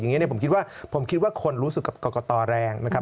อย่างนี้ผมคิดว่าคนรู้สึกกับก่อต่อแรงนะครับ